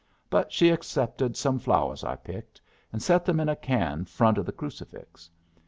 But she accepted some flowers I picked, and set them in a can front of the crucifix.